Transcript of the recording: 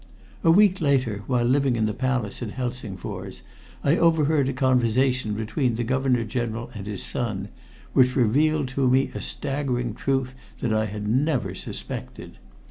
"A week later, while living in the palace at Helsingfors, I overheard a conversation between the Governor General and his son, which revealed to me a staggering truth that I had never suspected.